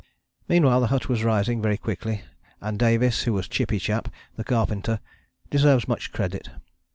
" Meanwhile the hut was rising very quickly, and Davies, who was Chippy Chap, the carpenter, deserves much credit.